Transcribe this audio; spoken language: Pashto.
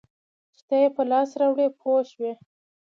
چې ته یې په لاس راوړې پوه شوې!.